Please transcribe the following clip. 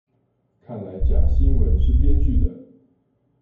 看來假新聞是編劇的